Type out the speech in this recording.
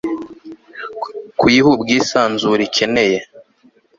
kuyiha ubwisanzure ikeneye